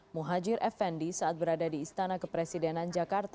muhajir effendi saat berada di istana kepresidenan jakarta